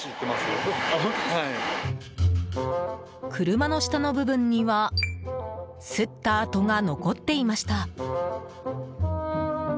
車の下の部分には擦った跡が残っていました。